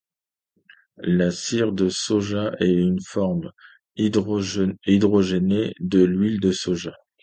La cire de soja est une forme hydrogénée de l'huile de soja.